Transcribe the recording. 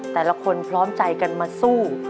แต่ละคนพร้อมใจกันมาสู้